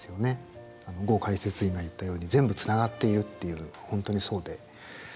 ゴウかいせついんが言ったように全部つながっているっていうの本当にそうで。